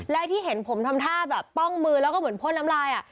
และที่เห็นผมทำท่าแบบป้องมือแล้วก็เหมือนพ่นน้ำลาย